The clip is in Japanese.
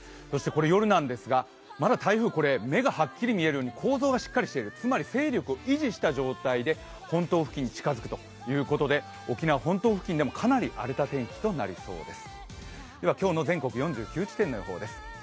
夜なんですが、まだ台風、目がはっきり見えるぐらい構造がしっかりしているつまり勢力を維持した状態で本島付近に近づくということで沖縄本島付近でもかなり荒れた天気となりそうです。